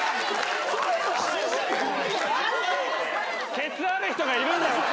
ケツある人がいるんだから。